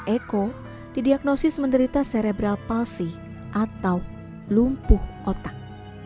eko didiagnosis menderita serebral palsi atau lumpuh otak